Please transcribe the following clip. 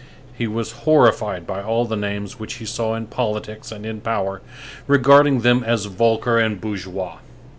He was horrified by all the names which he saw in politics and in power, regarding them as vulgar and bourgeois.